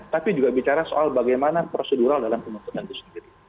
tapi juga bicara soal bagaimana prosedural dalam keputusan itu sendiri